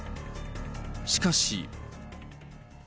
しかし。